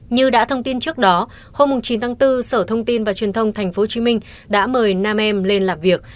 như đã thông tin trước đó hôm chín tháng bốn sở thông tin và truyền thông tp hcm đã mời nam em lên làm việc